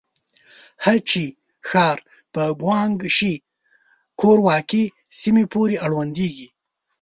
هه چه ښار په ګوانګ شي کورواکې سيمې پورې اړونديږي.